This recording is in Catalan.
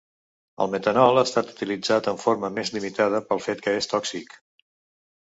El metanol ha estat utilitzat en forma més limitada pel fet que és tòxic.